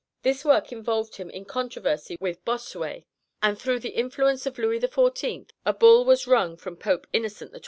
This work involved him in controversy with Bossuet, and through the influence of Louis XIV. a bull was wrung from Pope Innocent XII.